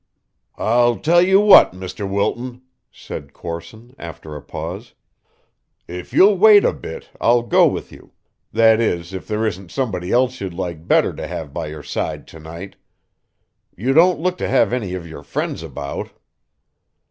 "I'll tell you what, Mr. Wilton," said Corson after a pause. "If you'll wait a bit, I'll go with you that is, if there isn't somebody else you'd like better to have by your side to night. You don't look to have any of your friends about."